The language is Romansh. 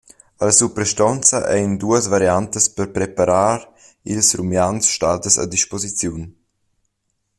Alla suprastonza ein duas variantas per preparar ils rumians stadas a disposiziun.